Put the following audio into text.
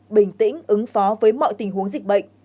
bình tĩnh ứng phó với mọi tình huống dịch bệnh